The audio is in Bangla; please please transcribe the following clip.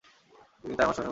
তিনি চার মাস শাসন করেছিলেন।